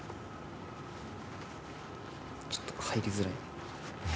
ちょっと、入りづらい。